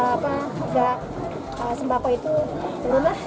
harga sembako itu turun lah